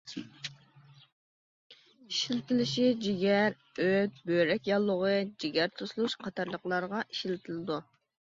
ئىشلىتىلىشى جىگەر، ئۆت، بۆرەك ياللۇغى، جىگەر توسۇلۇش قاتارلىقلارغا ئىشلىتىلىدۇ.